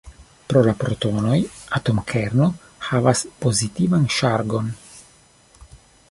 Pro la protonoj, atomkerno havas pozitivan ŝargon.